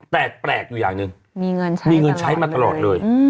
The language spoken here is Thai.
แตกแปลกอยู่อย่างนึงมีเงินใช้มาตลอดเลย